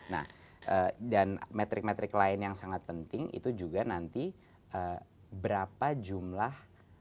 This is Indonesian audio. nah dan metrik metrik lain yang sangat penting itu juga nanti berapa jumlah